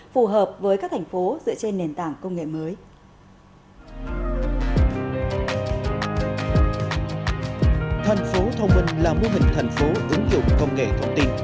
phù hợp với các thành phố dựa trên nền tảng công nghệ mới